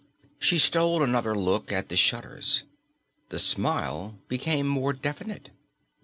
She stole another look at the shutters. The smile became more definite.